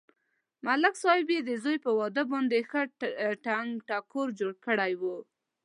ملک صاحب یې د زوی په واده باندې ښه ټنگ ټکور جوړ کړی و.